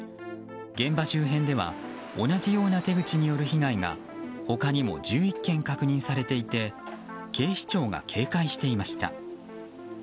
現場周辺では同じような手口による被害が他にも１１件確認されていて警視庁が警戒していました。